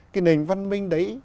cái nền văn minh đấy